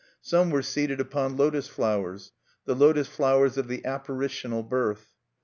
Some were seated upon lotos flowers, the lotos flowers of the Apparitional Birth.